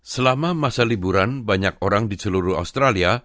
selama masa liburan banyak orang di seluruh australia